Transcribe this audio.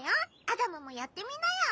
アダムもやってみなよ。